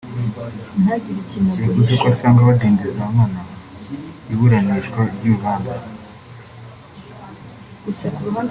yavuze ko asanga badindiza nkana iburanishwa ry’urubanza